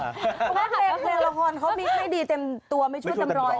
เพราะว่าในเรื่องเรียนละครเขามิคไม่ดีเต็มตัวไม่ชั่วเต็มร้อย